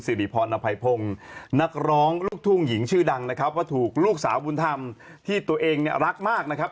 สิริพรอภัยพงศ์นักร้องลูกทุ่งหญิงชื่อดังนะครับว่าถูกลูกสาวบุญธรรมที่ตัวเองเนี่ยรักมากนะครับ